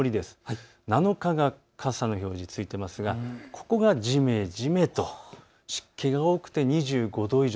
７日は傘の表示ついていますがここがじめじめと湿気が多くて２５度以上。